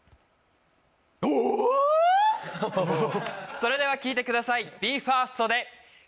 それでは聞いてください。